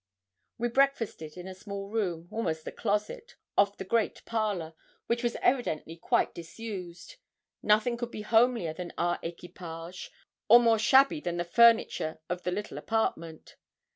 We breakfasted in a small room, almost a closet, off the great parlour, which was evidently quite disused. Nothing could be homelier than our equipage, or more shabby than the furniture of the little apartment.